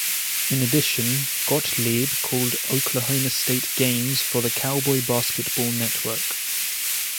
In addition, Gottlieb called Oklahoma State games for the Cowboy Basketball Network.